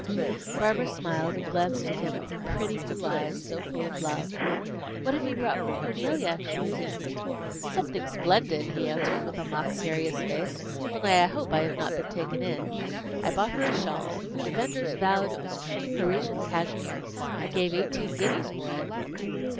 Barbara smiled and glanced at him with her pretty blue eyes, so full of love. "What have you brought for Cornelia?" she resumed. "Something splendid," he answered, with a mock serious face; "only I hope I have not been taken in. I bought her a shawl. The venders vowed it was true Parisian cashmere. I gave eighteen guineas for it."